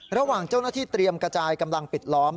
ระหว่างเจ้าหน้าที่เตรียมกระจายกำลังปิดล้อม